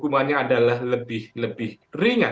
karena jese hukumannya adalah lebih lebih ringan